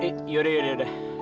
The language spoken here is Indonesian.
eh yaudah yaudah